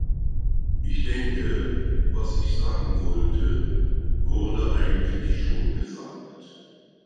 Ich denke, was ich sagen wollte, wurde eigentlich schon gesagt.